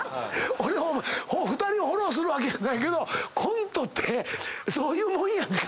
俺２人をフォローするわけやないけどコントってそういうもんやんか。